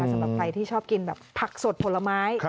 สำหรับใครที่ชอบกินแบบผักสดผลไม้